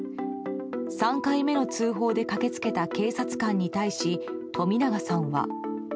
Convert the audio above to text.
３回目の通報で駆け付けた警察官に対し、冨永さんは。